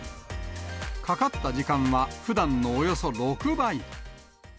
かかった時間はふだんのおよそ６倍。